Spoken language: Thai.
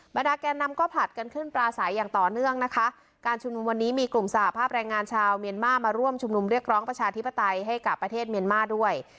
ดาแกนนำก็ผลัดกันขึ้นปลาใสอย่างต่อเนื่องนะคะการชุมนุมวันนี้มีกลุ่มสหภาพแรงงานชาวเมียนมาร์มาร่วมชุมนุมเรียกร้องประชาธิปไตยให้กับประเทศเมียนมาร์ด้วย